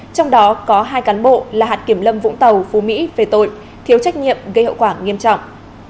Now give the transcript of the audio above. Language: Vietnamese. trong đó có hai cán bộ là hạt kiểm lâm vũng tàu phú mỹ về tội thiếu trách nhiệm gây hậu quả nghiêm trọng